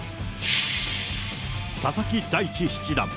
佐々木大地七段。